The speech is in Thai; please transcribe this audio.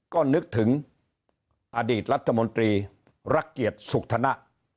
ก็นึกถึงอดีตรัฐมนตรีรักเกียรติสุขธนะ